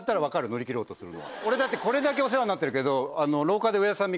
俺だってこれだけお世話になってるけど廊下で。